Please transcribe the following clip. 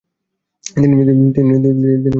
তিনি এই পত্রিকায় কাজ করেছেন।